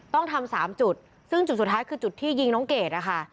ต้องทำ๓จุดซึ่งจุดสุดท้ายคือจุดที่ยิงน้องเกดนะคะ